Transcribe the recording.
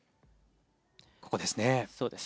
ここですね。